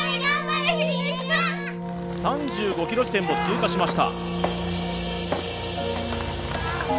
３５キロ地点を通過しました